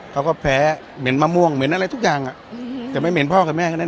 เขาก็แพ้เหม็นมะม่วงเหม็นอะไรทุกอย่างแต่ไม่เหม็นพ่อกับแม่แค่นั้น